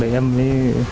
để em mới